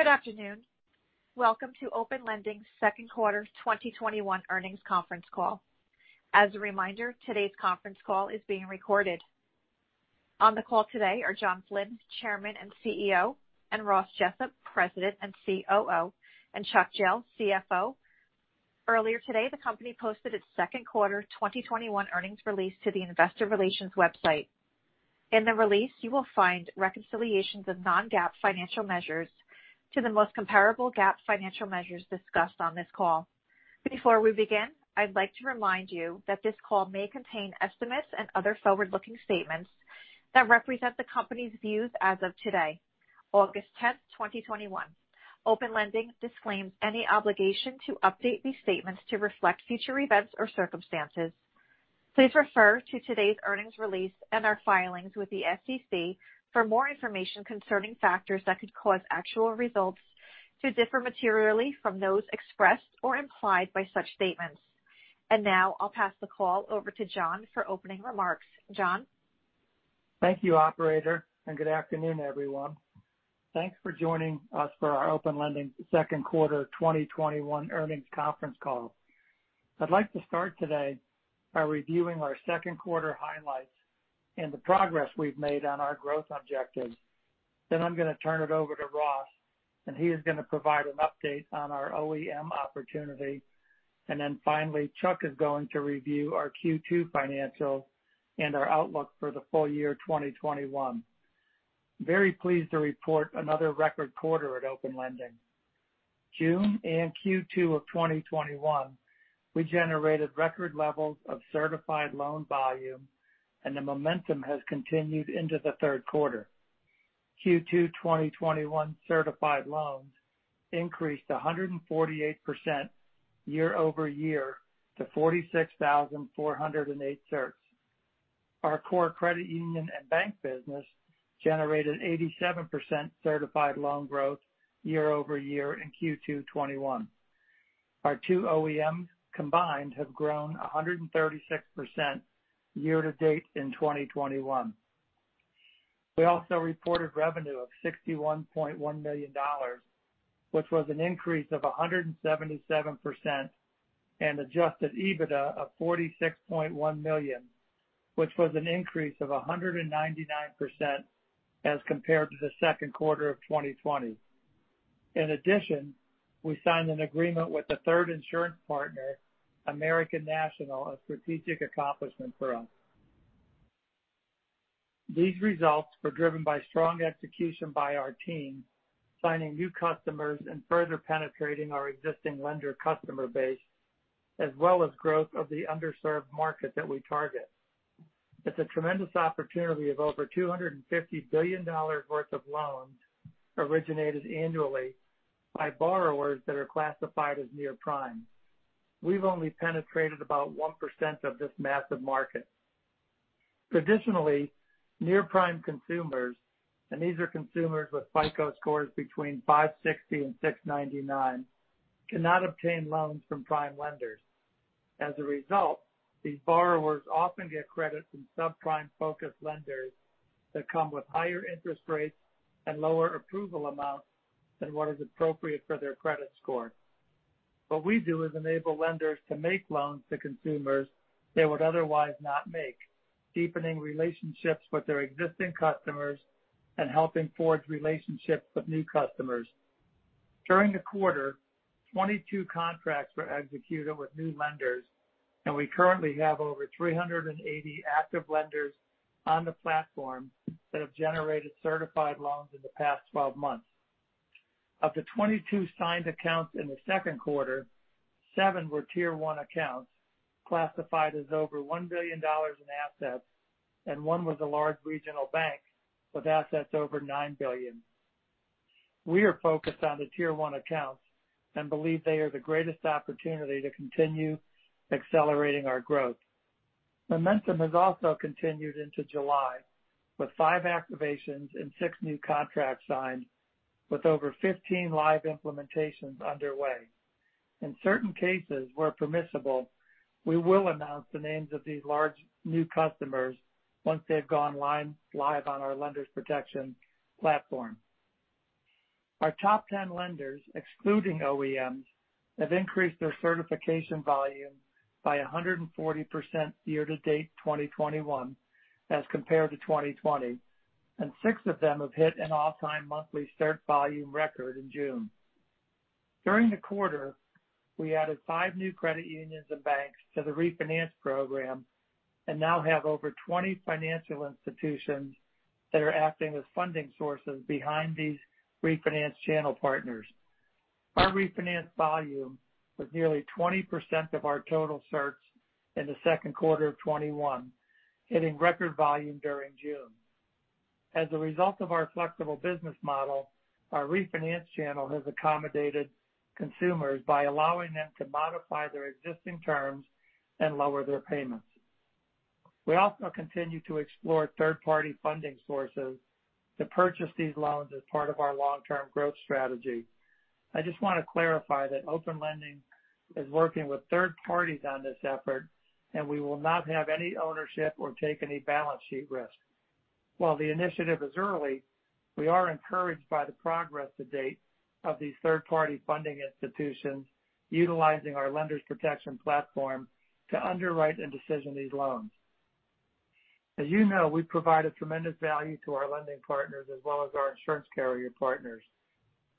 Good afternoon. Welcome to Open Lending's second quarter 2021 earnings conference call. As a reminder, today's conference call is being recorded. On the call today are John Flynn, Chairman and CEO; Ross Jessup, President and COO; and Chuck Jehl, CFO. Earlier today, the company posted its second quarter 2021 earnings release to the investor relations website. In the release, you will find reconciliations of non-GAAP financial measures to the most comparable GAAP financial measures discussed on this call. Before we begin, I'd like to remind you that this call may contain estimates and other forward-looking statements that represent the company's views as of today, August 10, 2021. Open Lending disclaims any obligation to update these statements to reflect future events or circumstances. Please refer to today's earnings release and our filings with the SEC for more information concerning factors that could cause actual results to differ materially from those expressed or implied by such statements. Now, I'll pass the call over to John for opening remarks. John? Thank you, operator, and good afternoon, everyone. Thanks for joining us for our Open Lending second quarter 2021 earnings conference call. I'd like to start today by reviewing our second quarter highlights and the progress we've made on our growth objectives. I'm going to turn it over to Ross, and he is going to provide an update on our OEM opportunity. Finally, Chuck is going to review our Q2 financials and our outlook for the full year 2021. Very pleased to report another record quarter at Open Lending. June and Q2 2021, we generated record levels of certified loan volume, and the momentum has continued into the third quarter. Q2 2021 certified loans increased 148% year-over-year to 46,408 certs. Our core credit union and bank business generated 87% certified loan growth year-over-year in Q2 2021. Our two OEMs combined have grown 136% year-to-date in 2021. We also reported revenue of $61.1 million, which was an increase of 177%, and adjusted EBITDA of $46.1 million, which was an increase of 199% as compared to the second quarter of 2020. In addition, we signed an agreement with a third insurance partner, American National, a strategic accomplishment for us. These results were driven by strong execution by our team, signing new customers, and further penetrating our existing lender customer base, as well as growth of the underserved market that we target. It's a tremendous opportunity of over $250 billion worth of loans originated annually by borrowers that are classified as near-prime. We've only penetrated about 1% of this massive market. Traditionally, near-prime consumers, and these are consumers with FICO scores between 560 and 699, cannot obtain loans from prime lenders. As a result, these borrowers often get credit from subprime-focused lenders that come with higher interest rates and lower approval amounts than what is appropriate for their credit score. What we do is enable lenders to make loans to consumers they would otherwise not make, deepening relationships with their existing customers and helping forge relationships with new customers. During the quarter, 22 contracts were executed with new lenders, and we currently have over 380 active lenders on the platform that have generated certified loans in the past 12 months. Of the 22 signed accounts in the second quarter, seven were Tier 1 accounts classified as over $1 billion in assets, and one was a large regional bank with assets over $9 billion. We are focused on the Tier 1 accounts and believe they are the greatest opportunity to continue accelerating our growth. Momentum has also continued into July, with five activations and six new contracts signed, with over 15 live implementations underway. In certain cases, where permissible, we will announce the names of these large new customers once they've gone live on our Lenders Protection platform. Our top 10 lenders, excluding OEMs, have increased their certification volume by 140% year-to-date 2021 as compared to 2020, and six of them have hit an all-time monthly cert volume record in June. During the quarter, we added five new credit unions and banks to the refinance program, and now have over 20 financial institutions that are acting as funding sources behind these refinance channel partners. Our refinance volume was nearly 20% of our total certs in the second quarter of 2021, hitting record volume during June. As a result of our flexible business model, our refinance channel has accommodated consumers by allowing them to modify their existing terms and lower their payments. We also continue to explore third-party funding sources to purchase these loans as part of our long-term growth strategy. I just want to clarify that Open Lending is working with third parties on this effort, and we will not have any ownership or take any balance sheet risk. While the initiative is early, we are encouraged by the progress to date of these third-party funding institutions utilizing our Lenders Protection platform to underwrite and decision these loans. As you know, we provide a tremendous value to our lending partners as well as our insurance carrier partners.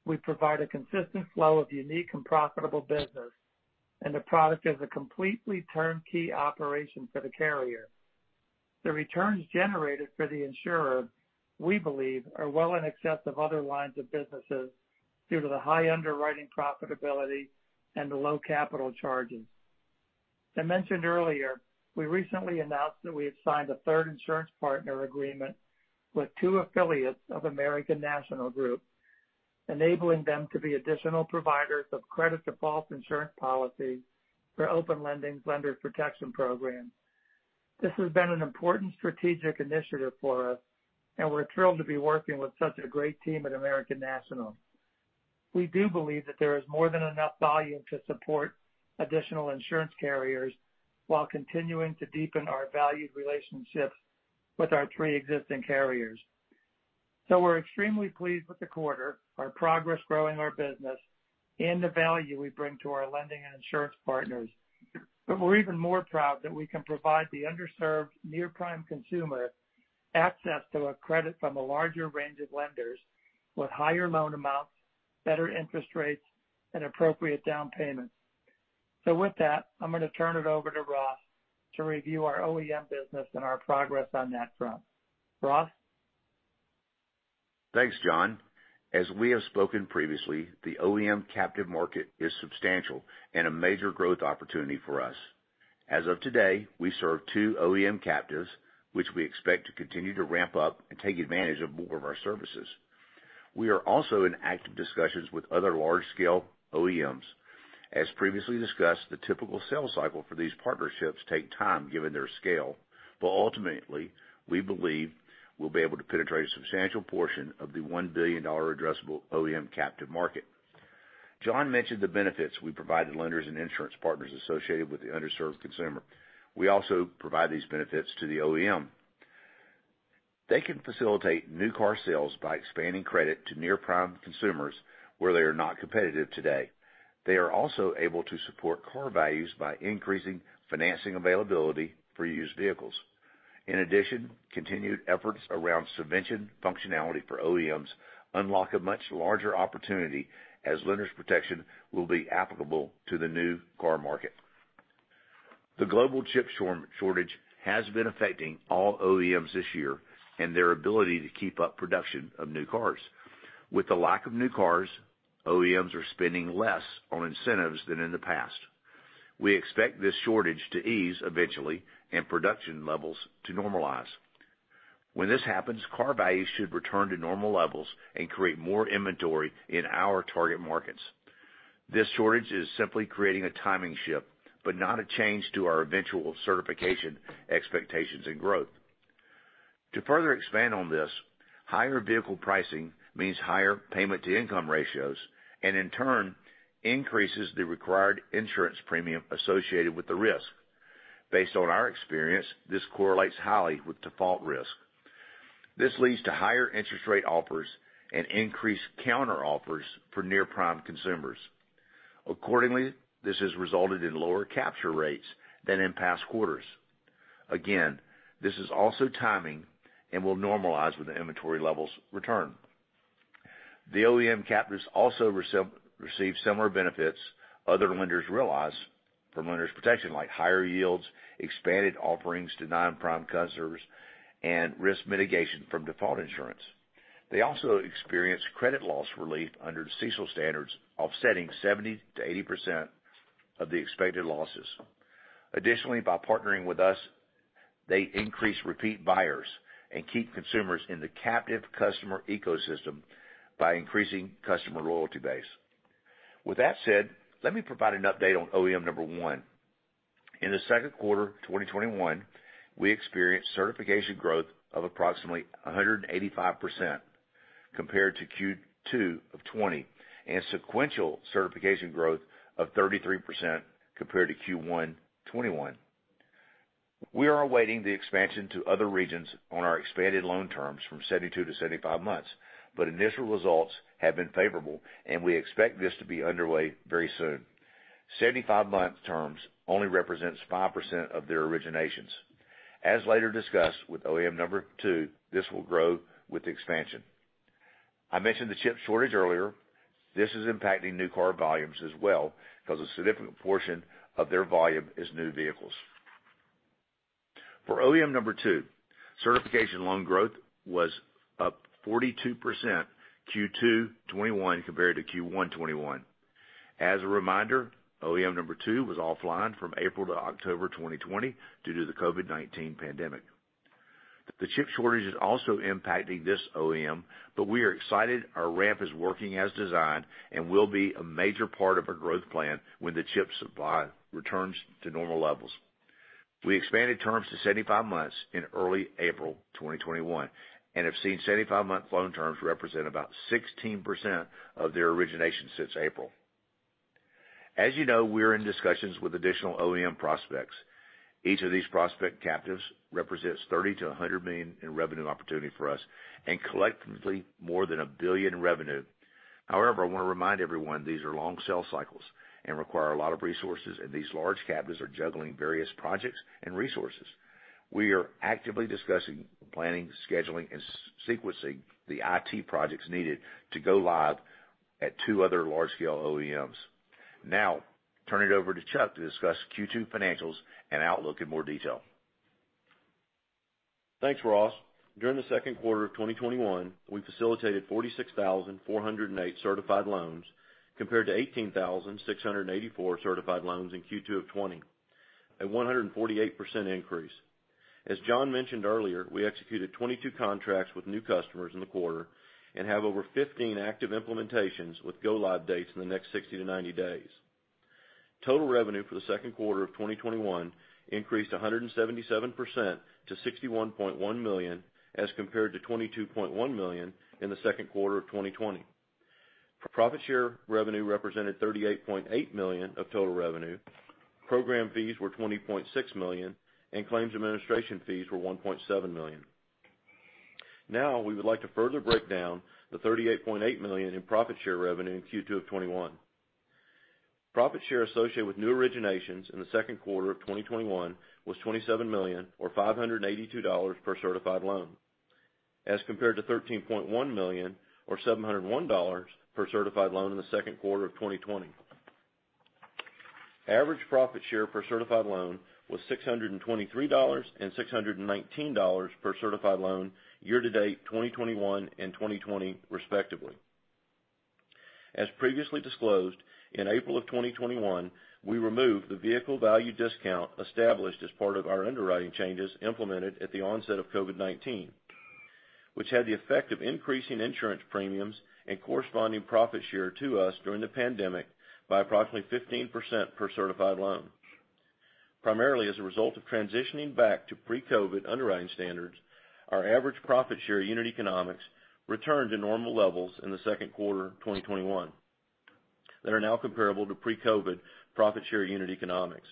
We provide a consistent flow of unique and profitable business, and the product is a completely turnkey operation for the carrier. The returns generated for the insurer, we believe, are well in excess of other lines of businesses due to the high underwriting profitability and the low capital charges. I mentioned earlier, we recently announced that we had signed a third insurance partner agreement with two affiliates of American National Group, enabling them to be additional providers of credit default insurance policy for Open Lending's Lenders Protection program. This has been an important strategic initiative for us, and we're thrilled to be working with such a great team at American National. We do believe that there is more than enough volume to support additional insurance carriers while continuing to deepen our valued relationships with our pre-existing carriers. We're extremely pleased with the quarter, our progress growing our business, and the value we bring to our lending and insurance partners. We're even more proud that we can provide the underserved near-prime consumer access to a credit from a larger range of lenders with higher loan amounts, better interest rates, and appropriate down payments. With that, I'm going to turn it over to Ross to review our OEM business and our progress on that front. Ross? Thanks, John. As we have spoken previously, the OEM captive market is substantial and a major growth opportunity for us. As of today, we serve two OEM captives, which we expect to continue to ramp up and take advantage of more of our services. We are also in active discussions with other large-scale OEMs. As previously discussed, the typical sales cycle for these partnerships take time given their scale. Ultimately, we believe we'll be able to penetrate a substantial portion of the $1 billion addressable OEM captive market. John mentioned the benefits we provide to lenders and insurance partners associated with the underserved consumer. We also provide these benefits to the OEM. They can facilitate new car sales by expanding credit to near-prime consumers where they are not competitive today. They are also able to support car values by increasing financing availability for used vehicles. In addition, continued efforts around subvention functionality for OEMs unlock a much larger opportunity as Lenders Protection will be applicable to the new car market. The global chip shortage has been affecting all OEMs this year and their ability to keep up production of new cars. With the lack of new cars, OEMs are spending less on incentives than in the past. We expect this shortage to ease eventually and production levels to normalize. When this happens, car values should return to normal levels and create more inventory in our target markets. This shortage is simply creating a timing shift, but not a change to our eventual certification expectations and growth. To further expand on this, higher vehicle pricing means higher payment-to-income ratios. In turn, increases the required insurance premium associated with the risk. Based on our experience, this correlates highly with default risk. This leads to higher interest rate offers and increased counteroffers for near-prime consumers. Accordingly, this has resulted in lower capture rates than in past quarters. Again, this is also timing and will normalize when the inventory levels return. The OEM captives also receive similar benefits other lenders realize from Lenders Protection, like higher yields, expanded offerings to non-prime customers, and risk mitigation from default insurance. They also experience credit loss relief under CECL standards, offsetting 70%-80% of the expected losses. Additionally, by partnering with us, they increase repeat buyers and keep consumers in the captive customer ecosystem by increasing customer loyalty base. With that said, let me provide an update on OEM number 1. In the second quarter 2021, we experienced certification growth of approximately 185% compared to Q2 2020, and sequential certification growth of 33% compared to Q1 2021. We are awaiting the expansion to other regions on our expanded loan terms from 72-75 months. Initial results have been favorable, and we expect this to be underway very soon. 75-month terms only represents 5% of their originations. As later discussed with OEM number 2, this will grow with the expansion. I mentioned the chip shortage earlier. This is impacting new car volumes as well because a significant portion of their volume is new vehicles. For OEM number 2, certification loan growth was up 42% Q2 2021 compared to Q1 2021. As a reminder, OEM number 2 was offline from April to October 2020 due to the COVID-19 pandemic. The chip shortage is also impacting this OEM, but we are excited our ramp is working as designed and will be a major part of our growth plan when the chip supply returns to normal levels. We expanded terms to 75 months in early April 2021 and have seen 75-month loan terms represent about 16% of their origination since April. As you know, we're in discussions with additional OEM prospects. Each of these prospect captives represents $30 million-$100 million in revenue opportunity for us and collectively more than $1 billion in revenue. However, I want to remind everyone these are long sales cycles and require a lot of resources, and these large captives are juggling various projects and resources. We are actively discussing planning, scheduling, and sequencing the IT projects needed to go live at two other large-scale OEMs. Now, turn it over to Chuck to discuss Q2 financials and outlook in more detail. Thanks, Ross. During the second quarter of 2021, we facilitated 46,408 certified loans, compared to 18,684 certified loans in Q2 2020, a 148% increase. As John mentioned earlier, we executed 22 contracts with new customers in the quarter and have over 15 active implementations with go-live dates in the next 60-90 days. Total revenue for the second quarter of 2021 increased 177% to $61.1 million as compared to $22.1 million in the second quarter of 2020. For profit share revenue represented $38.8 million of total revenue. Program fees were $20.6 million, and claims administration fees were $1.7 million. We would like to further break down the $38.8 million in profit share revenue in Q2 2021. Profit share associated with new originations in the second quarter of 2021 was $27 million, or $582 per certified loan, as compared to $13.1 million or $701 per certified loan in the second quarter of 2020. Average profit share per certified loan was $623 and $619 per certified loan year-to-date 2021 and 2020 respectively. As previously disclosed, in April of 2021, we removed the vehicle value discount established as part of our underwriting changes implemented at the onset of COVID-19, which had the effect of increasing insurance premiums and corresponding profit share to us during the pandemic by approximately 15% per certified loan. Primarily as a result of transitioning back to pre-COVID underwriting standards, our average profit share unit economics returned to normal levels in the second quarter of 2021 that are now comparable to pre-COVID profit share unit economics.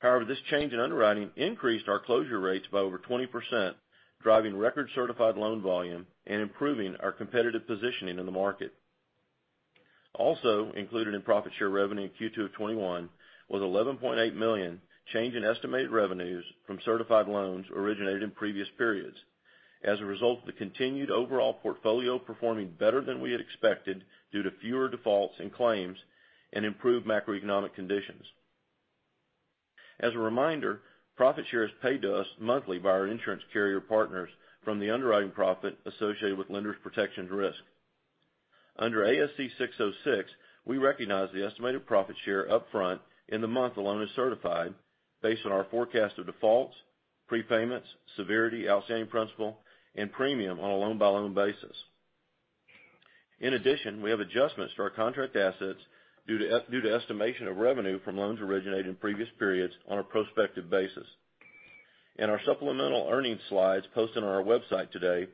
However, this change in underwriting increased our closure rates by over 20%, driving record-certified loan volume and improving our competitive positioning in the market. Also included in profit share revenue in Q2 2021 was $11.8 million change in estimated revenues from certified loans originated in previous periods, as a result of the continued overall portfolio performing better than we had expected due to fewer defaults and claims and improved macroeconomic conditions. As a reminder, profit share is paid to us monthly by our insurance carrier partners from the underwriting profit associated with Lenders Protection risk. Under ASC 606, we recognize the estimated profit share up front in the month a loan is certified based on our forecast of defaults, prepayments, severity, outstanding principal, and premium on a loan-by-loan basis. In addition, we have adjustments to our contract assets due to estimation of revenue from loans originated in previous periods on a prospective basis. In our supplemental earnings slides posted on our website today,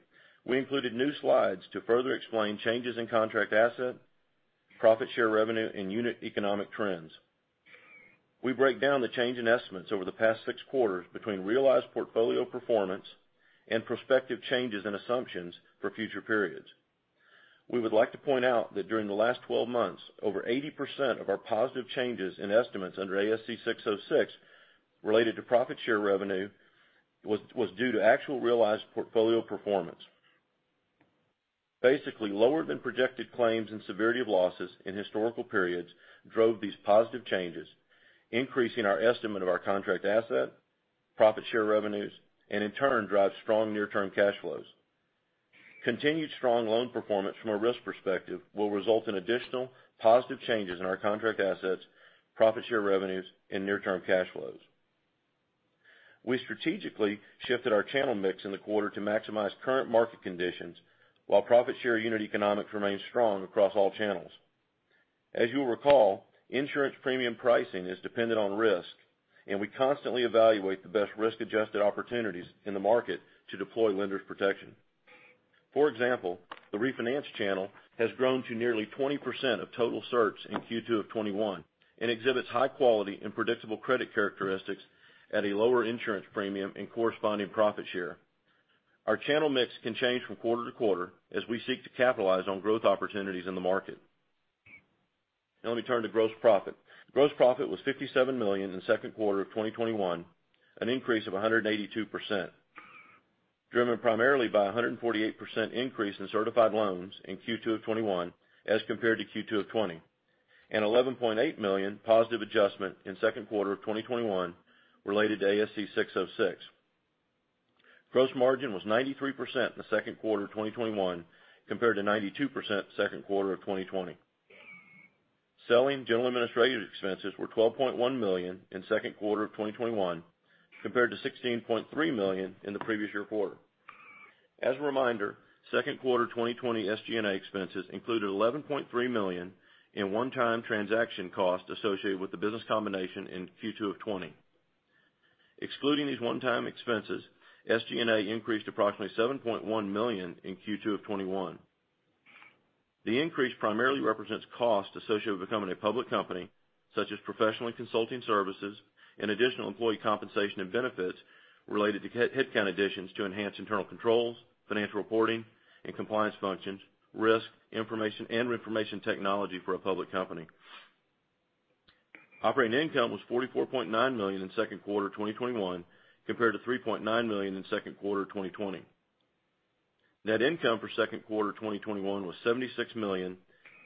we included new slides to further explain changes in contract asset, profit share revenue, and unit economic trends. We break down the change in estimates over the past six quarters between realized portfolio performance and prospective changes and assumptions for future periods. We would like to point out that during the last 12 months, over 80% of our positive changes in estimates under ASC 606 related to profit share revenue was due to actual realized portfolio performance. Basically, lower-than-projected claims and severity of losses in historical periods drove these positive changes, increasing our estimate of our contract asset, profit share revenues, and in turn, drive strong near-term cash flows. Continued strong loan performance from a risk perspective will result in additional positive changes in our contract assets, profit share revenues, and near-term cash flows. We strategically shifted our channel mix in the quarter to maximize current market conditions while profit share unit economics remains strong across all channels. As you'll recall, insurance premium pricing is dependent on risk, and we constantly evaluate the best risk-adjusted opportunities in the market to deploy Lenders Protection. For example, the refinance channel has grown to nearly 20% of total certs in Q2 2021 and exhibits high quality and predictable credit characteristics at a lower insurance premium and corresponding profit share. Our channel mix can change from quarter-to-quarter as we seek to capitalize on growth opportunities in the market. Let me turn to gross profit. Gross profit was $57 million in the second quarter of 2021. An increase of 182%, driven primarily by 148% increase in certified loans in Q2 of 2021 as compared to Q2 of 2020, and $11.8 million positive adjustment in second quarter of 2021 related to ASC 606. Gross margin was 93% in the second quarter of 2021 compared to 92% second quarter of 2020. Selling general administrative expenses were $12.1 million in second quarter of 2021, compared to $16.3 million in the previous year quarter. As a reminder, second quarter 2020 SG&A expenses included $11.3 million in one-time transaction costs associated with the business combination in Q2 of 2020. Excluding these one-time expenses, SG&A increased approximately $7.1 million in Q2 of 2021. The increase primarily represents costs associated with becoming a public company, such as professional and consulting services, and additional employee compensation and benefits related to headcount additions to enhance internal controls, financial reporting, and compliance functions, risk, information, and information technology for a public company. Operating income was $44.9 million in second quarter 2021 compared to $3.9 million in second quarter 2020. Net income for second quarter 2021 was $76 million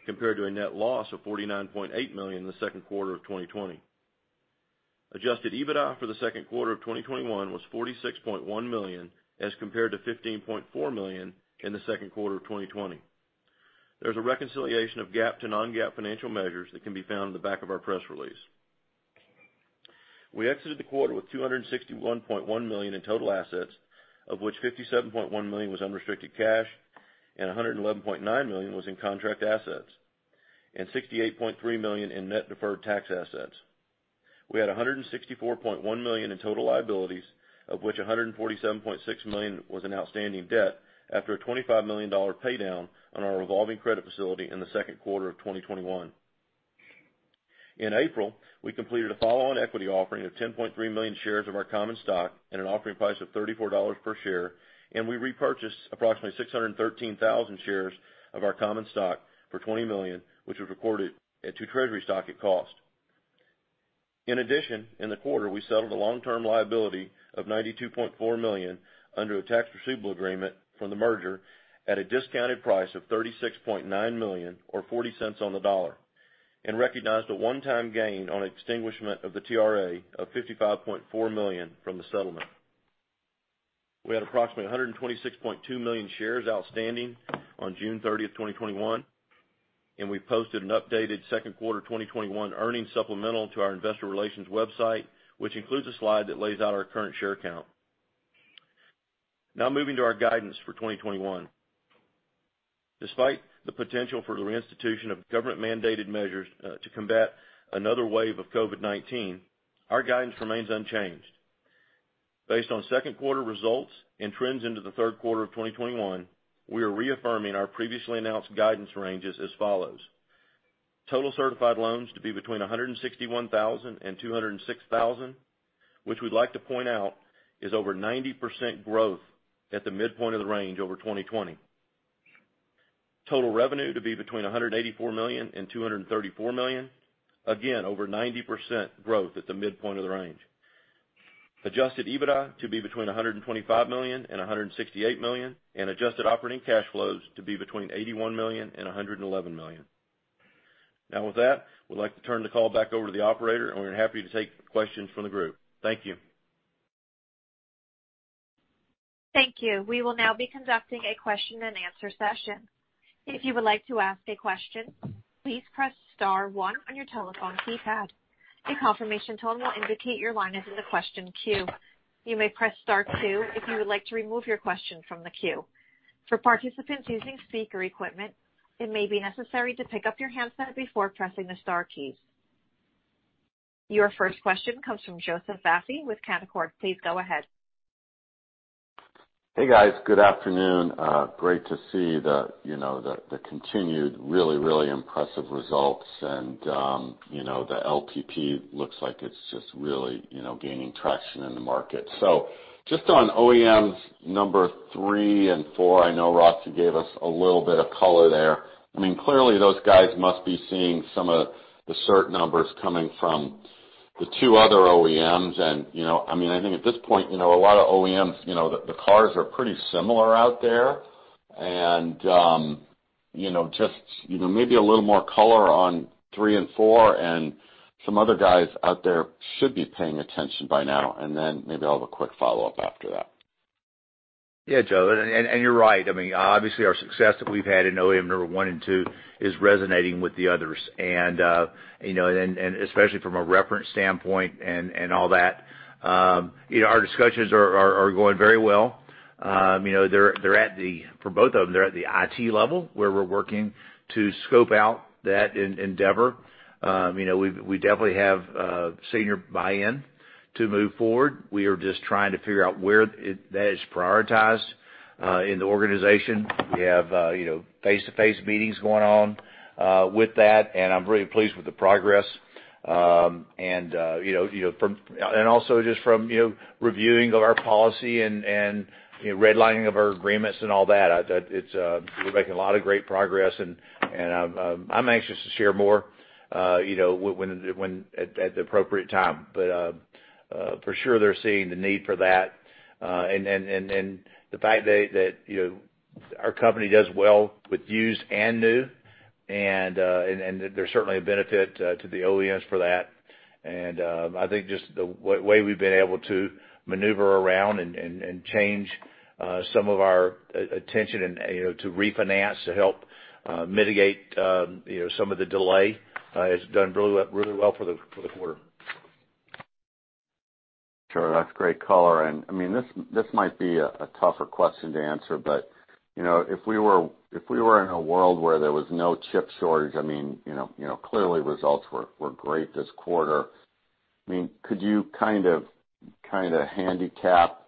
compared to a net loss of $49.8 million in the second quarter of 2020. Adjusted EBITDA for the second quarter of 2021 was $46.1 million as compared to $15.4 million in the second quarter of 2020. There's a reconciliation of GAAP to non-GAAP financial measures that can be found in the back of our press release. We exited the quarter with $261.1 million in total assets, of which $57.1 million was unrestricted cash, $111.9 million was in contract assets, and $68.3 million in net deferred tax assets. We had $164.1 million in total liabilities, of which $147.6 million was in outstanding debt after a $25 million pay down on our revolving credit facility in second quarter in 2021. In April, we completed a follow-on equity offering of 10.3 million shares of our common stock at an offering price of $34 per share. We repurchased approximately 613,000 shares of our common stock for $20 million, which was recorded to treasury stock at cost. In addition, in the quarter, we settled a long-term liability of $92.4 million under a tax receivable agreement from the merger at a discounted price of $36.9 million or $0.40 on the dollar, and recognized a one-time gain on extinguishment of the TRA of $55.4 million from the settlement. We had approximately 126.2 million shares outstanding on June 30th, 2021, and we posted an updated second quarter 2021 earnings supplemental to our investor relations website, which includes a slide that lays out our current share count. Moving to our guidance for 2021. Despite the potential for the institution of government-mandated measures to combat another wave of COVID-19, our guidance remains unchanged. Based on second quarter results and trends into the third quarter of 2021, we are reaffirming our previously announced guidance ranges as follows: total certified loans to be between 161,000 and 206,000 loans, which we'd like to point out is over 90% growth at the midpoint of the range over 2020. Total revenue to be between $184 million and $234 million, again, over 90% growth at the midpoint of the range. Adjusted EBITDA to be between $125 million and $168 million, and adjusted operating cash flows to be between $81 million and $111 million. Now with that, we'd like to turn the call back over to the operator, and we're happy to take questions from the group. Thank you. Thank you. We will now be conducting a question-and-answer session. If you would like to ask a question, please press star one on your telephone keypad. A confirmation tone will indicate your line is in the question queue. You may press star two, if you would like to remove your question from the queue. For participants using speaker equipment, it may be necessary to pick up your handset before pressing the star keys. Your first question comes from Joseph Vafi with Canaccord. Please go ahead. Hey, guys. Good afternoon. Great to see the continued really, really impressive results and the LPP looks like it's just really gaining traction in the market. Just on OEMs number 3 and 4, I know Ross gave us a little bit of color there. Clearly, those guys must be seeing some of the cert numbers coming from the two other OEMs. I think at this point, a lot of OEMs, the cars are pretty similar out there. Just maybe a little more color on 3 and 4, and some other guys out there should be paying attention by now? Maybe I'll have a quick follow-up after that. Joe, you're right. Obviously, our success that we've had in OEM number 1 and 2 is resonating with the others, especially from a reference standpoint and all that. Our discussions are going very well. For both of them, they're at the IT level where we're working to scope out that endeavor. We definitely have senior buy-in to move forward. We are just trying to figure out where that is prioritized in the organization. We have face-to-face meetings going on with that. I'm really pleased with the progress, also just from reviewing our policy and redlining of our agreements and all that. We're making a lot of great progress. I'm anxious to share more at the appropriate time. For sure, they're seeing the need for that. The fact that our company does well with used and new, and there's certainly a benefit to the OEMs for that. I think just the way we've been able to maneuver around and change some of our attention to refinance to help mitigate some of the delay has done really well for the quarter. Sure. That's great color. This might be a tougher question to answer, but if we were in a world where there was no chip shortage, clearly results were great this quarter. Could you kind of handicap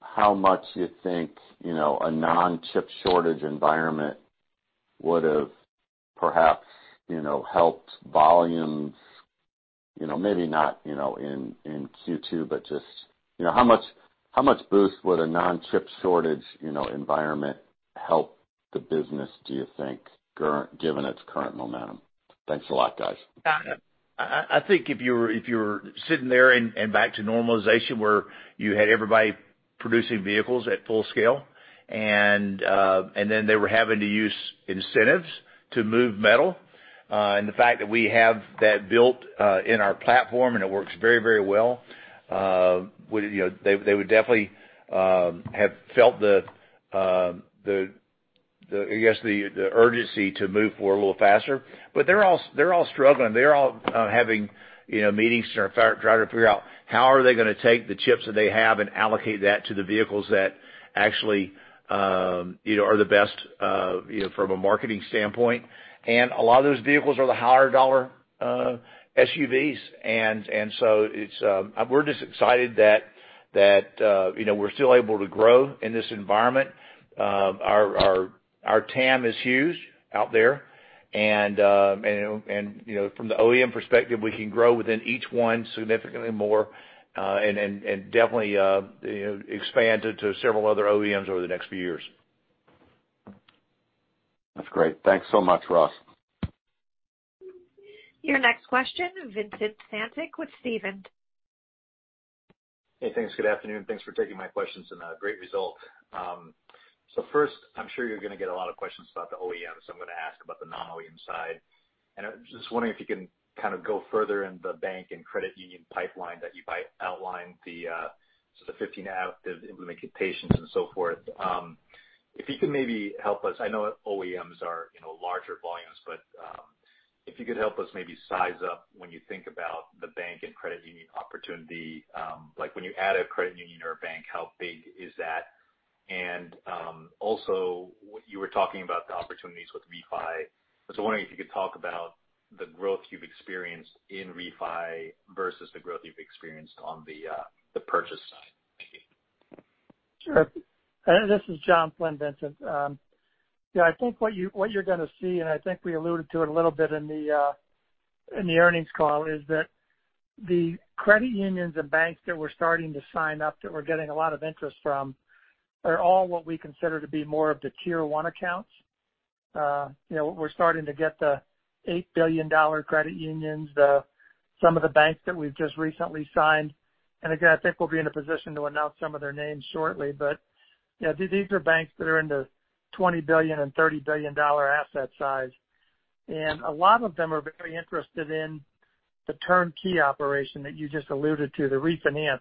how much you think a non-chip shortage environment would've perhaps helped volumes? Maybe not in Q2, but just how much boost would a non-chip shortage environment help the business do you think, given its current momentum? Thanks a lot, guys. I think if you're sitting there and back to normalization where you had everybody producing vehicles at full scale, and then they were having to use incentives to move metal, and the fact that we have that built in our platform and it works very well, they would definitely have felt the urgency to move forward a little faster. They're all struggling. They're all having meetings trying to figure out how are they going to take the chips that they have and allocate that to the vehicles that actually are the best from a marketing standpoint. A lot of those vehicles are the higher dollar SUVs. We're just excited that we're still able to grow in this environment. Our TAM is huge out there. From the OEM perspective, we can grow within each one significantly more, and definitely expand it to several other OEMs over the next few years. That's great. Thanks so much, Ross. Your next question, Vincent Caintic with Stephens. Hey, thanks. Good afternoon. Thanks for taking my questions and a great result. First, I'm sure you're going to get a lot of questions about the OEMs. I'm going to ask about the non-OEM side. I was just wondering if you can kind of go further in the bank and credit union pipeline that you outlined? The sort of 15 active implementations, and so forth. If you could maybe help us, I know OEMs are larger volumes. If you could help us maybe size up when you think about the bank and credit union opportunity, like when you add a credit union or a bank, how big is that? Also you were talking about the opportunities with refi. I was wondering if you could talk about the growth you've experienced in refi versus the growth you've experienced on the purchase side? Sure. This is John Flynn, Vincent. I think what you're going to see, and I think we alluded to it a little bit in the earnings call, is that the credit unions and banks that we're starting to sign up, that we're getting a lot of interest from, are all what we consider to be more of the Tier 1 accounts. We're starting to get the $8 billion credit unions. Some of the banks that we've just recently signed, and again, I think we'll be in a position to announce some of their names shortly. These are banks that are in the $20 billion and $30 billion asset size. A lot of them are very interested in the turnkey operation that you just alluded to, the refinance.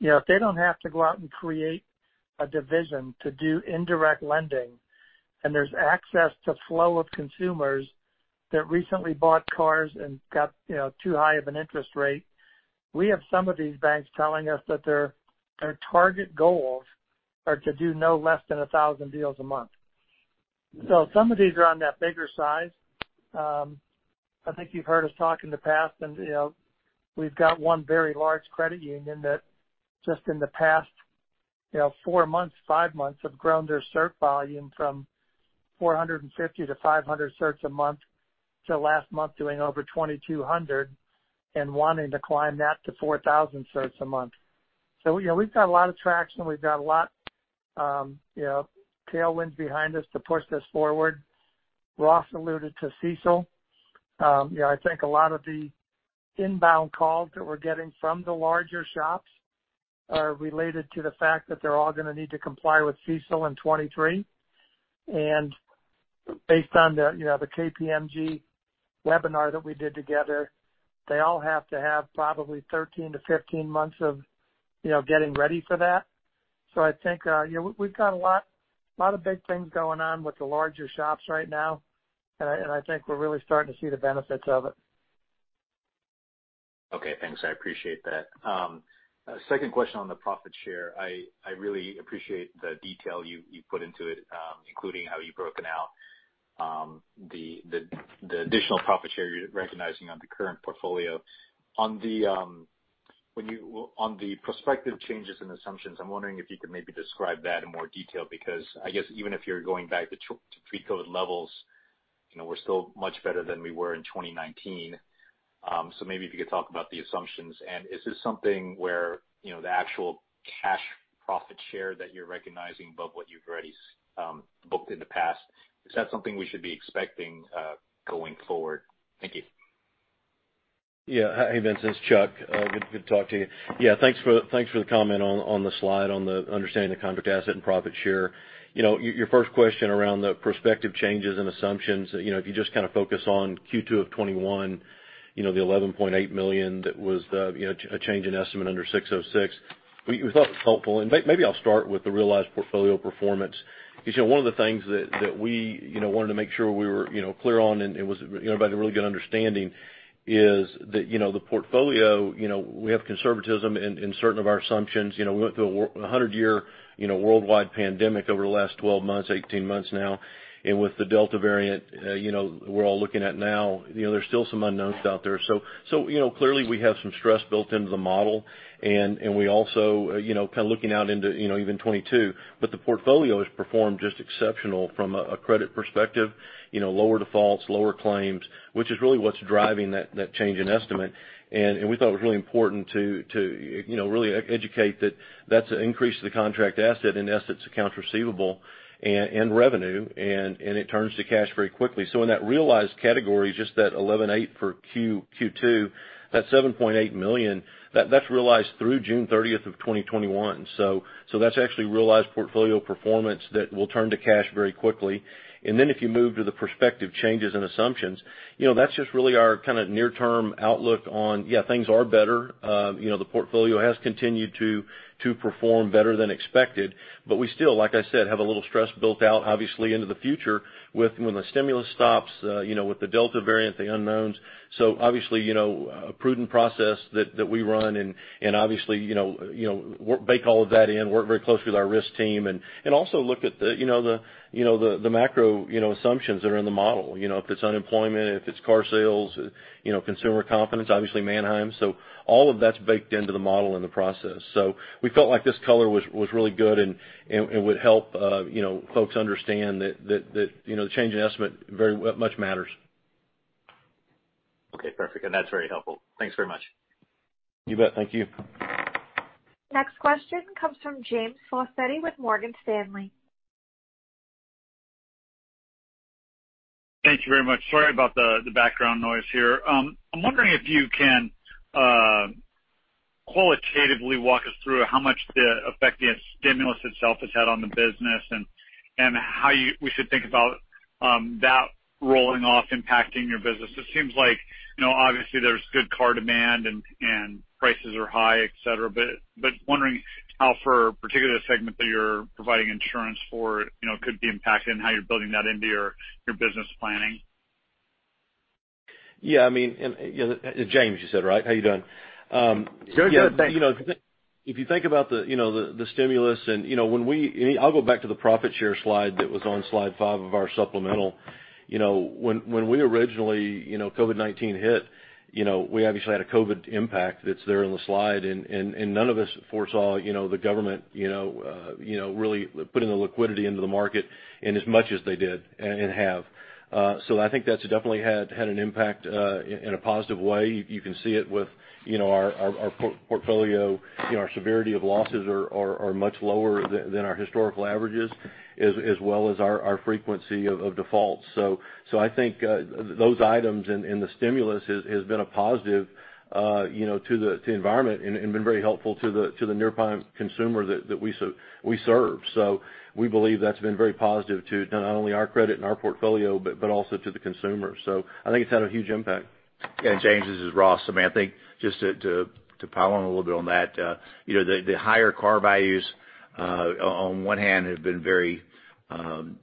If they don't have to go out and create a division to do indirect lending, and there's access to flow of consumers that recently bought cars and got too high of an interest rate. We have some of these banks telling us that their target goals are to do no less than 1,000 deals a month. Some of these are on that bigger size. I think you've heard us talk in the past, and we've got one very large credit union that just in the past four months, five months, have grown their cert volume from 450 to 500 certs a month to last month doing over 2,200 certs and wanting to climb that to 4,000 certs a month. We've got a lot of traction. We've got a lot of tailwinds behind us to push this forward. Ross alluded to CECL. I think a lot of the inbound calls that we're getting from the larger shops are related to the fact that they're all going to need to comply with CECL in 2023. Based on the KPMG webinar that we did together, they all have to have probably 13-15 months of getting ready for that. I think we've got a lot of big things going on with the larger shops right now, and I think we're really starting to see the benefits of it. Okay, thanks. I appreciate that. Second question on the profit share. I really appreciate the detail you put into it, including how you've broken out the additional profit share you're recognizing on the current portfolio. On the prospective changes in assumptions, I'm wondering if you could maybe describe that in more detail, because I guess even if you're going back to pre-COVID levels, we're still much better than we were in 2019. Maybe if you could talk about the assumptions? Is this something where the actual cash profit share that you're recognizing above what you've already booked in the past? Is that something we should be expecting going forward? Thank you. Yeah. Hey, Vincent, it's Chuck. Good to talk to you. Yeah, thanks for the comment on the slide on the understanding the contract asset and profit share. Your first question around the prospective changes and assumptions, if you just kind of focus on Q2 of 2021, the $11.8 million that was a change in estimate under 606. We thought it was helpful. Maybe I'll start with the realized portfolio performance. Because one of the things that we wanted to make sure we were clear on, and it was everybody had a really good understanding, is that the portfolio, we have conservatism in certain of our assumptions. We went through a 100-year worldwide pandemic over the last 12 months, 18 months now. With the Delta variant, we're all looking at now. There's still some unknowns out there. Clearly we have some stress built into the model. We also, kind of looking out into even 2022. The portfolio has performed just exceptional from a credit perspective. Lower defaults, lower claims, which is really what's driving that change in estimate. We thought it was really important to really educate that that's an increase to the contract asset. In essence, account receivable and revenue, it turns to cash very quickly. In that realized category, just that $11.8 million for Q2, that $7.8 million. That's realized through June 30th of 2021. That's actually realized portfolio performance that will turn to cash very quickly. If you move to the prospective changes and assumptions, that's just really our kind of near-term outlook on, yeah, things are better. The portfolio has continued to perform better than expected,. We still, like I said, have a little stress built out, obviously into the future with when the stimulus stops, with the Delta variant, the unknowns. Obviously, a prudent process that we run and obviously bake all of that in, work very closely with our risk team, and also look at the macro assumptions that are in the model. If it's unemployment, if it's car sales, consumer confidence, obviously Manheim. All of that's baked into the model and the process. We felt like this color was really good, and it would help folks understand that the change in estimate very much matters. Okay, perfect. That's very helpful. Thanks very much. You bet. Thank you. Next question comes from James Faucette with Morgan Stanley. Thank you very much. Sorry about the background noise here. I'm wondering if you can qualitatively walk us through how much the effect the stimulus itself has had on the business, and how we should think about that rolling off impacting your business? It seems like obviously there's good car demand and prices are high, et cetera. Wondering how for a particular segment that you're providing insurance for could be impacted and how you're building that into your business planning? Yeah. James, you said, right? How you doing? Good, good. Thanks. If you think about the stimulus, and I'll go back to the profit share slide, that was on slide five of our supplemental. When we originally, COVID-19 hit, we obviously had a COVID impact that's there on the slide. None of us foresaw the government really putting the liquidity into the market and as much as they did and have. I think that's definitely had an impact in a positive way. You can see it with our portfolio. Our severity of losses are much lower than our historical averages, as well as our frequency of defaults. I think those items and the stimulus has been a positive to the environment and been very helpful to the near-prime consumer that we serve. We believe that's been very positive to not only our credit and our portfolio, but also to the consumer. I think it's had a huge impact. Yeah, James, this is Ross. I think just to pile on a little bit on that. The higher car values, on one hand, have been very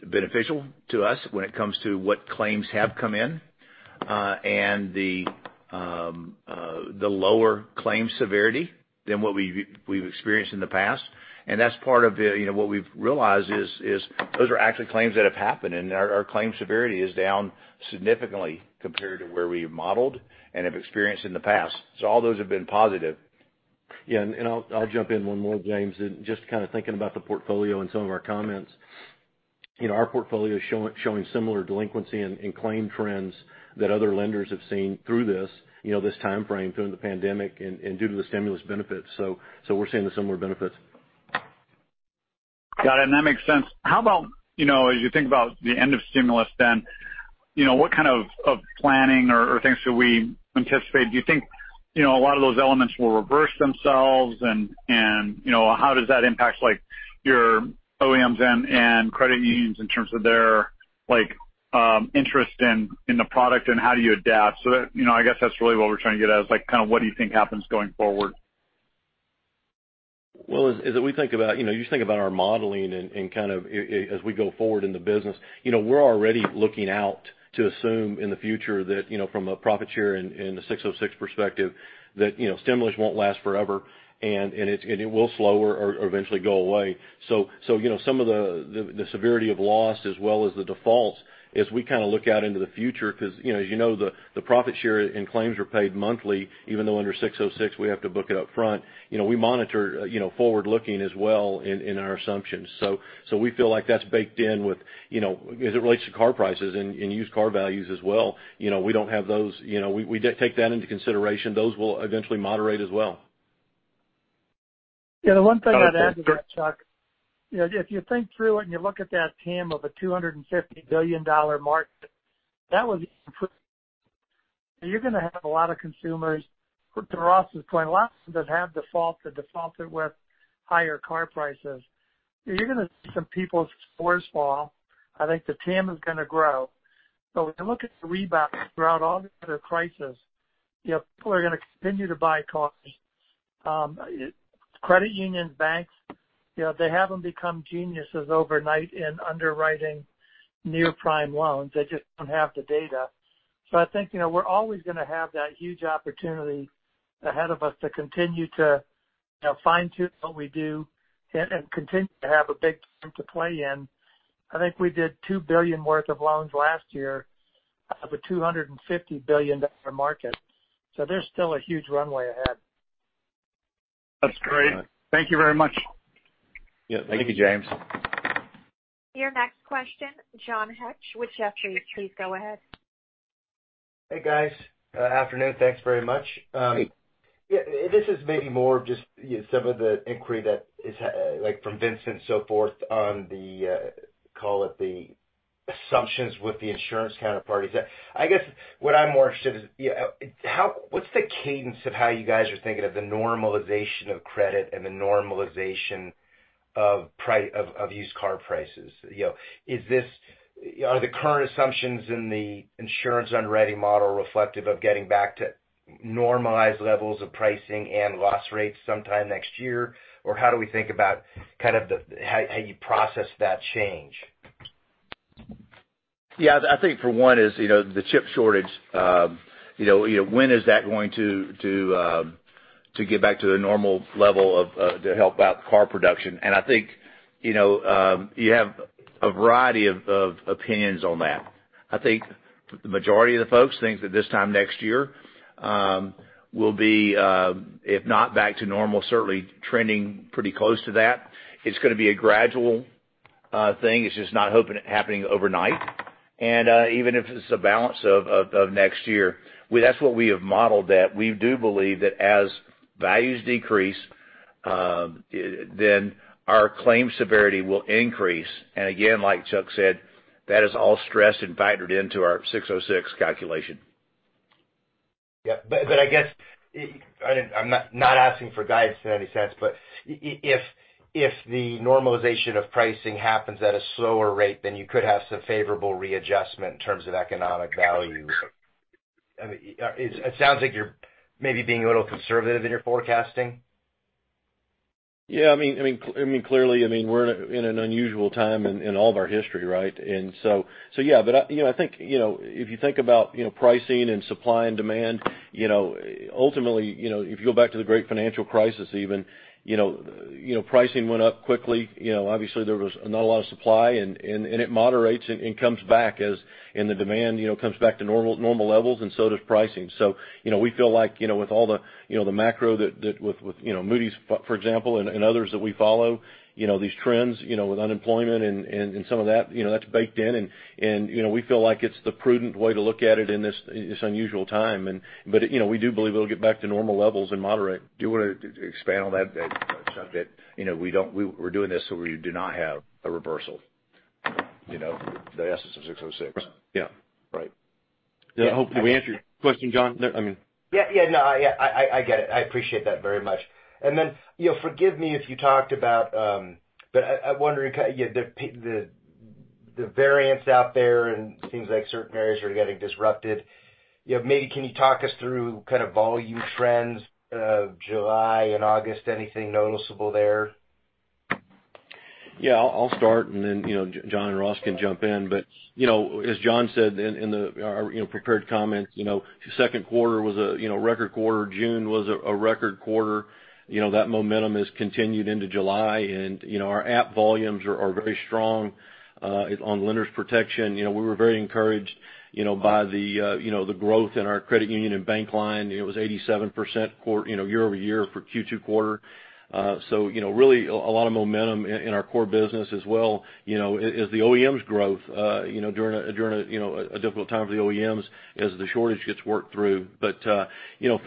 beneficial to us when it comes to what claims have come in, and the lower claims severity than what we've experienced in the past. That's part of what we've realized is those are actually claims that have happened, and our claims severity is down significantly compared to where we've modeled and have experienced in the past. All those have been positive. Yeah. I'll jump in one more, James. Just kind of thinking about the portfolio and some of our comments. Our portfolio is showing similar delinquency and claim trends that other lenders have seen through this timeframe, through the pandemic, and due to the stimulus benefits. We're seeing the similar benefits. Got it. That makes sense. How about, as you think about the end of stimulus, then, what kind of planning or things should we anticipate? Do you think a lot of those elements will reverse themselves, and how does that impact your OEMs and credit unions in terms of their interest in the product, and how do you adapt? I guess that's really what we're trying to get at, is kind of what do you think happens going forward? As we think about our modeling and kind of as we go forward in the business, we're already looking out to assume in the future that from a profit share and a 606 perspective, that stimulus won't last forever, and it will slow or eventually go away. Some of the severity of loss as well as the defaults as we kind of look out into the future because as you know, the profit share and claims are paid monthly, even though under 606 we have to book it up front. We monitor forward looking as well in our assumptions. We feel like that's baked in with as it relates to car prices and used car values as well. We don't have those. We take that into consideration. Those will eventually moderate as well. Yeah. The one thing I'd add to that, Chuck, if you think through it and you look at that TAM of a $250 billion market. You're going to have a lot of consumers. To Ross's point, lots of them that have defaulted with higher car prices. You're going to see some people's scores fall. I think the TAM is going to grow. If you look at the rebound throughout all of the crisis, people are going to continue to buy cars. Credit unions, banks, they haven't become geniuses overnight in underwriting near-prime loans. They just don't have the data. I think we're always going to have that huge opportunity ahead of us to continue to fine-tune what we do and continue to have a big room to play in. I think we did $2 billion worth of loans last year out of a $250 billion market. There's still a huge runway ahead. That's great. Thank you very much. Yeah. Thank you, James. Your next question, John Hecht with Jefferies. Please go ahead. Hey, guys. Afternoon. Thanks very much. This is maybe more of just some of the inquiry that is from Vincent, so forth, on the call it the assumptions with the insurance counterparties. I guess what I'm more interested is, what's the cadence of how you guys are thinking of the normalization of credit and the normalization of used car prices? Are the current assumptions in the insurance underwriting model reflective of getting back to normalized levels of pricing and loss rates sometime next year? How do we think about how you process that change? Yeah. I think for one is, the chip shortage, when is that going to get back to a normal level to help out car production? I think you have a variety of opinions on that. I think the majority of the folks think that this time next year, we'll be, if not back to normal, certainly trending pretty close to that. It's going to be a gradual thing. It's just not happening overnight. Even if it's the balance of next year, that's what we have modeled that we do believe that as values decrease, then our claims severity will increase. Again, like Chuck said, that is all stressed and factored into our 606 calculation. Yeah. I guess, I'm not asking for guidance in any sense. If the normalization of pricing happens at a slower rate, you could have some favorable readjustment in terms of economic value. It sounds like you're maybe being a little conservative in your forecasting. Yeah. Clearly, we're in an unusual time in all of our history, right? I think if you think about pricing and supply and demand, ultimately, if you go back to the great financial crisis even, pricing went up quickly. Obviously, there was not a lot of supply, and it moderates and comes back as the demand comes back to normal levels and so does pricing. We feel like with all the macro that with Moody's, for example, and others that we follow. These trends with unemployment and some of that's baked in. We feel like it's the prudent way to look at it in this unusual time. We do believe it'll get back to normal levels and moderate. To expand on that, Chuck, that we're doing this so we do not have a reversal, the essence of 606. Yeah. Right. Yeah. I hope that we answered your question, John? Yeah. No, I get it. I appreciate that very much. Forgive me if you talked about, but I'm wondering, the variants out there and things like certain areas are getting disrupted. Maybe can you talk us through kind of volume trends of July and August, anything noticeable there? Yeah, I'll start. John and Ross can jump in. As John said in our prepared comments, second quarter was a record quarter. June was a record quarter. That momentum has continued into July, and our app volumes are very strong on Lenders Protection. We were very encouraged by the growth in our credit union and bank line. It was 87% year-over-year for Q2 quarter. Really a lot of momentum in our core business as well as the OEMs growth during a difficult time for the OEMs as the shortage gets worked through.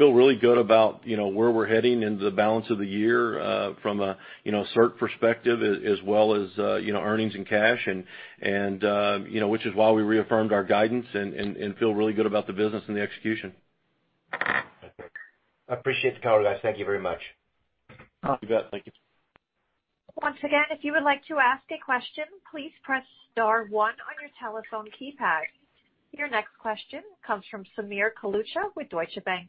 Feel really good about where we're heading into the balance of the year from a cert perspective as well as earnings and cash, which is why we reaffirmed our guidance and feel really good about the business and the execution. Perfect. I appreciate the color, guys. Thank you very much. You bet. Thank you. Once again, if you would like to ask a question, please press star one on your telephone keypad. Your next question comes from Sameer Kalucha with Deutsche Bank.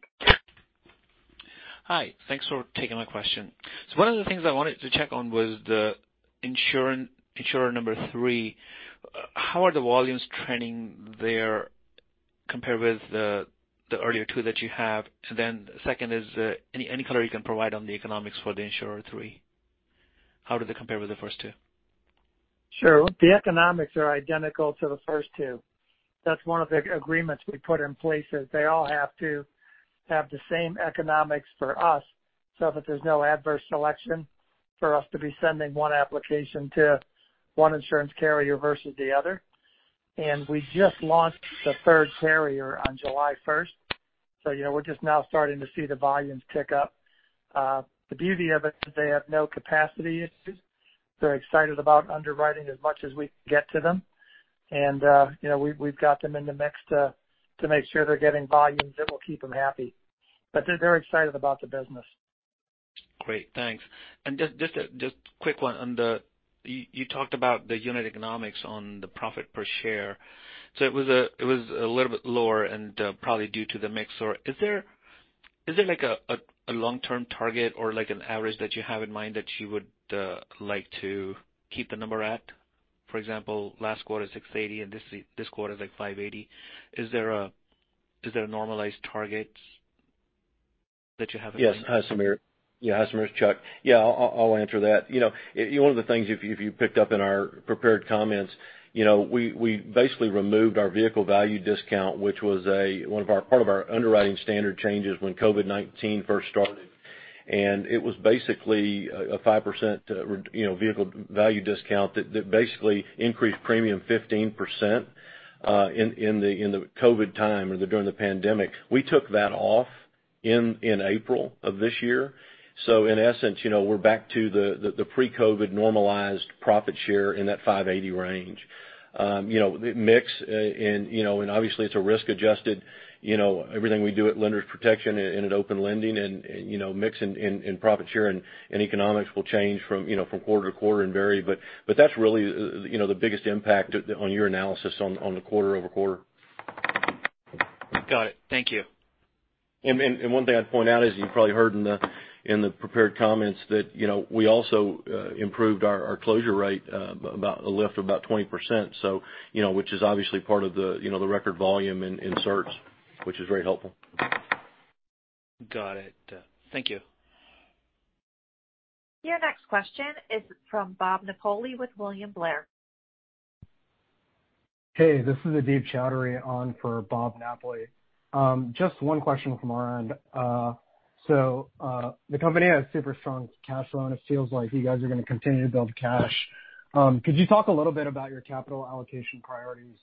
Hi. Thanks for taking my question. One of the things I wanted to check on was the Insurer Three. How are the volumes trending there compared with the earlier two that you have? Second, is any color you can provide on the economics for the Insurer Three. How do they compare with the first two? Sure. The economics are identical to the first two. That's one of the agreements we put in place, is they all have to have the same economics for us, so that there's no adverse selection for us to be sending one application to one insurance carrier versus the other. We just launched the third carrier on July 1st. We're just now starting to see the volumes tick up. The beauty of it is they have no capacity issues. They're excited about underwriting as much as we can get to them. We've got them in the mix to make sure they're getting volumes that will keep them happy. They're very excited about the business. Great. Thanks. Just a quick one on the... You talked about the unit economics on the profit per share. It was a little bit lower and probably due to the mix. Is there like a long-term target or like an average that you have in mind that you would like to keep the number at? For example, last quarter $680, and this quarter is like $580. Is there a normalized target that you have in mind? Hi, Sameer. It's Chuck. I'll answer that. One of the things if you picked up in our prepared comments, we basically removed our vehicle value discount, which was part of our underwriting standard changes when COVID-19 first started. It was basically a 5% vehicle value discount that basically increased premium 15% in the COVID time or during the pandemic. We took that off in April of this year. In essence, we're back to the pre-COVID normalized profit share in that $580 range. Mix, obviously it's a risk-adjusted. Everything we do at Lenders Protection and at Open Lending. Mix and profit share and economics will change from quarter-to-quarter and vary. That's really the biggest impact on your analysis on the quarter-over-quarter. Got it. Thank you. One thing I'd point out, as you probably heard in the prepared comments, that we also improved our closure rate, a lift of about 20%. Which is obviously part of the record volume in certs, which is very helpful. Got it. Thank you. Your next question is from Bob Napoli with William Blair. Hey, this is Adib Choudhury on for Bob Napoli. Just one question from our end. The company has super strong cash flow, and it feels like you guys are going to continue to build cash. Could you talk a little bit about your capital allocation priorities?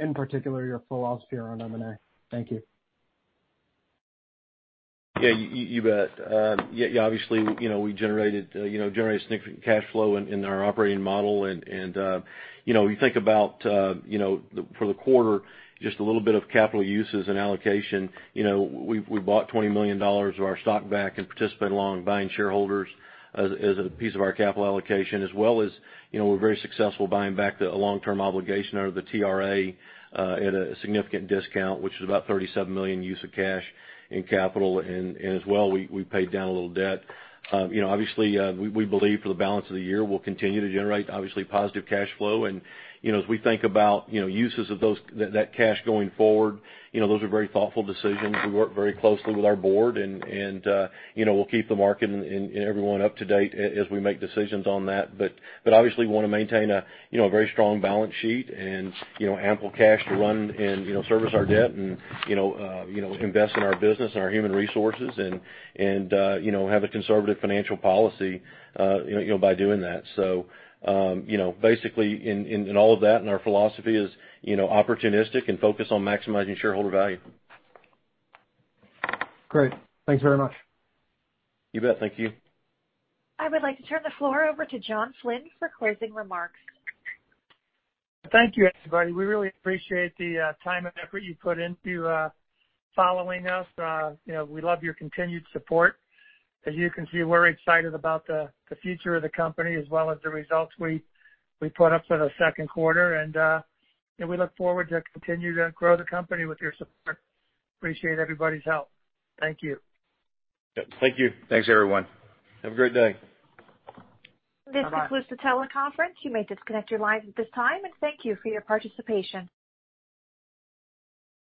In particular, your philosophy around M&A? Thank you. Yeah, you bet. Obviously, we generated significant cash flow in our operating model. You think about for the quarter, just a little bit of capital uses and allocation. We bought $20 million of our stock back and participated along buying shareholders as a piece of our capital allocation as well as we're very successful buying back the long-term obligation under the TRA at a significant discount, which is about $37 million use of cash in capital. As well, we paid down a little debt. Obviously, we believe for the balance of the year. We'll continue to generate obviously positive cash flow. As we think about uses of that cash going forward, those are very thoughtful decisions. We work very closely with our Board, and we'll keep the market and everyone up to date as we make decisions on that. Obviously, we want to maintain a very strong balance sheet and ample cash to run and service our debt and invest in our business and our human resources and have a conservative financial policy by doing that. Basically in all of that, and our philosophy is opportunistic and focused on maximizing shareholder value. Great. Thanks very much. You bet. Thank you. I would like to turn the floor over to John Flynn for closing remarks. Thank you, everybody. We really appreciate the time and effort you put into following us. We love your continued support. As you can see, we're excited about the future of the company as well as the results we put up for the second quarter. We look forward to continue to grow the company with your support. Appreciate everybody's help. Thank you. Thank you. Thanks, everyone. Have a great day. Bye-bye. This concludes the teleconference. You may disconnect your lines at this time, and thank you for your participation.